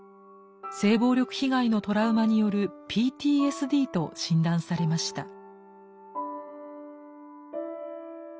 性暴力被害のトラウマによるＰＴＳＤと診断されました。